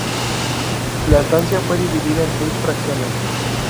La estancia fue dividida en seis fracciones.